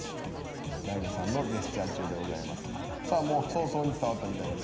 もう早々に伝わったみたいですね。